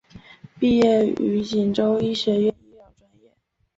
毕业于锦州医学院医疗专业。